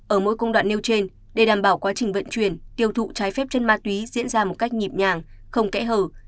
ở mỗi công đoạn nêu trên để đảm bảo quá trình vận chuyển tiêu thụ trái phép chân ma túy diễn ra một cách nhịp nhàng không kẽ hở